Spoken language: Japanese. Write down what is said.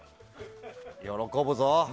喜ぶぞ。